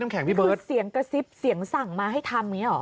คือเสียงกระซิบเสียงสั่งมาให้ทำเนี่ยเหรอ